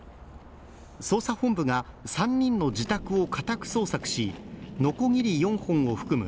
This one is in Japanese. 捜査本部が家宅捜索しのこぎり４本を含む